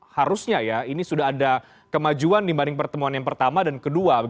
harusnya ya ini sudah ada kemajuan dibanding pertemuan yang pertama dan kedua